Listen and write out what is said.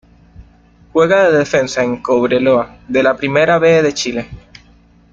Juega de defensa en Cobreloa de la Primera B de Chile.